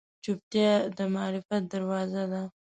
چوپتیا، د معرفت دروازه ده.